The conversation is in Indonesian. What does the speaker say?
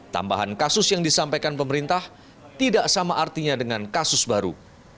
tambahan kasus yang disampaikan pemerintah tidak sama artinya dengan kasus baru